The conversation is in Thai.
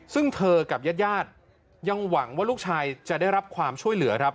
ซึ่งเธอกับญาติยังหวังว่าลูกชายจะได้รับความช่วยเหลือครับ